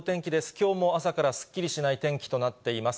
きょうも朝からすっきりしない天気となっています。